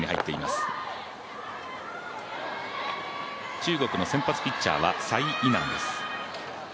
中国の先発ピッチャーは柴イ楠です。